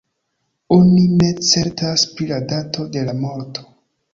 Oni ne certas pri la dato de la morto.